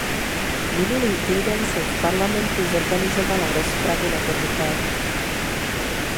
Minulý týden jsem v Parlamentu zorganizovala rozpravu na toto téma.